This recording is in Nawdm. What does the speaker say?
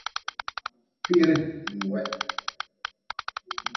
Kwiri n miweh.